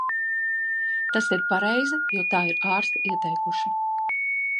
Tas ir pareizi, jo tā ir ārsti ieteikuši.